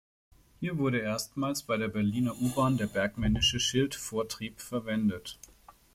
Hier wurde erstmals bei der Berliner U-Bahn der bergmännische Schildvortrieb verwendet.